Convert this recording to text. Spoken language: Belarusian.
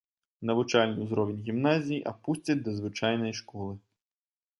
Навучальны ўзровень гімназіі апусцяць да звычайнай школы.